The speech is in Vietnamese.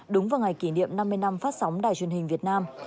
đúng vào ngày kỷ niệm năm mươi năm phát sóng đài truyền hình việt nam